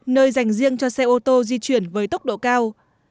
nơi dành riêng cho xe ô tô di chuyển với tốc độ cao